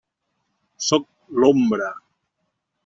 Sóc l'Ombra.